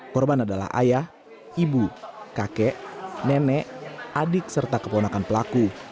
korban adalah ayah ibu kakek nenek adik serta keponakan pelaku